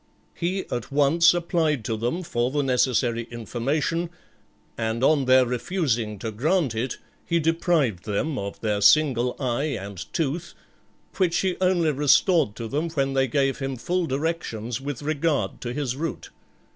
He at once applied to them for the necessary information, and on their refusing to grant it he deprived them of their single eye and tooth, which he only restored to them when they gave him full directions with regard to his route.